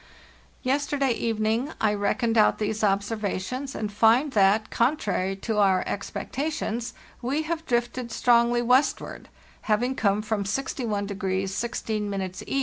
"Yesterday evening I reckoned out these observa tions and find that, contrary to our expectations, we have drifted strongly westward, having come from 61° 16° E.